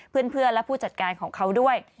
เพื่อนและผู้จัดการของเขาด้วย